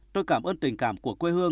tôi cảm ơn tình cảm của quê hương